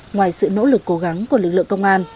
ngoài sự nỗ lực cố gắng của lực lượng công an